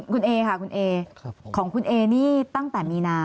คุณเอค่ะคุณเอของคุณเอนี่ตั้งแต่มีนา